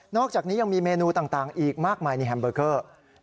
อกจากนี้ยังมีเมนูต่างอีกมากมายในแฮมเบอร์เกอร์